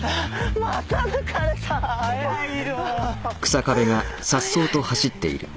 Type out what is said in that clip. また抜かれた速いよ。